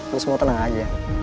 lo semua tenang aja